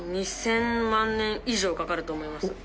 ２０００万年以上かかると思います。